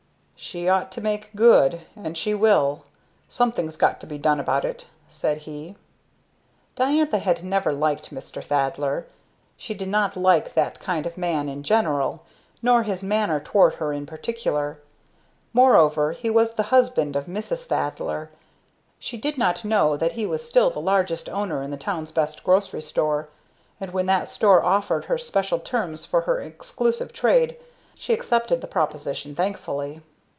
"She ought to make good, and she will. Something's got to be done about it," said he. Diantha had never liked Mr. Thaddler; she did not like that kind of man in general, nor his manner toward her in particular. Moreover he was the husband of Mrs. Thaddler. She did not know that he was still the largest owner in the town's best grocery store, and when that store offered her special terms for her exclusive trade, she accepted the proposition thankfully.